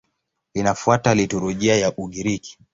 Linafuata liturujia ya Ugiriki.